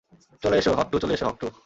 চলে এসো, হক-টু চলে এসো, হক-টু।